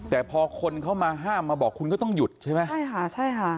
แต่พอคนเข้ามาห้ามมาบอกคุณก็ต้องหยุดใช่ไหมใช่ค่ะใช่ค่ะ